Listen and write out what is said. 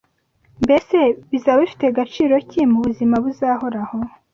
Mbese bizaba bifite gaciro ki mu buzima buzahoraho